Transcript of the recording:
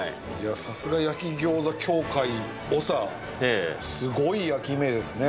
さすが焼き餃子協会長すごい焼き目ですね